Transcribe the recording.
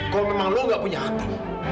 kalau memang lo gak punya hati